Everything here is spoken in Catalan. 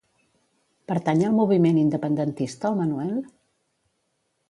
Pertany al moviment independentista el Manuel?